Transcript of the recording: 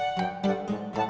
oh mah kayak disney